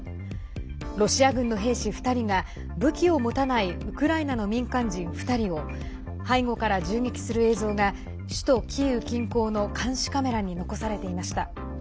ロシア軍の兵士２人が武器を持たないウクライナの民間人２人を背後から銃撃する映像が首都キーウ近郊の監視カメラに残されていました。